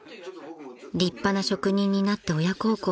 ［立派な職人になって親孝行したい］